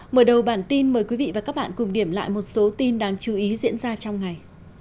mở đầu bản tin mời quý vị và các bạn cùng điểm lại một số tin đáng chú ý diễn ra trong ngày